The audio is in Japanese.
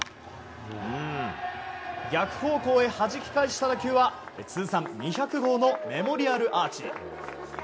逆方向へはじき返した打球は通算２００号のメモリアルアーチ。